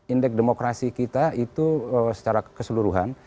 indeks demokrasi kita itu secara keseluruhan